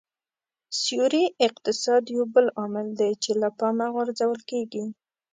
سیوري اقتصاد یو بل عامل دی چې له پامه غورځول کېږي